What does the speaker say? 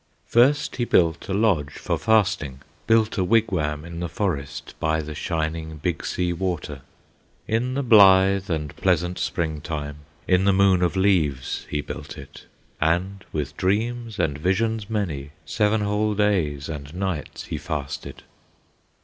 First he built a lodge for fasting, Built a wigwam in the forest, By the shining Big Sea Water, In the blithe and pleasant Spring time, In the Moon of Leaves he built it, And, with dreams and visions many, Seven whole days and nights he fasted.